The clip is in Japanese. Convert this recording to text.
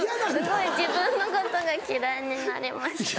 すごい自分のことが嫌いになりました。